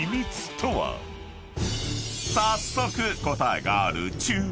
［早速答えがある］